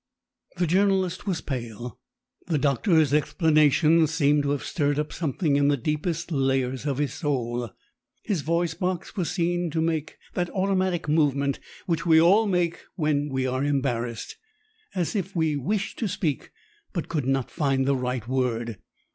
The journalist was pale. The doctor's explanation seemed to have stirred up something in the deepest layers of his soul. His voice box was seen to make that automatic movement which we all make when we are embarrassed, as if we wished to speak but could not find the right word.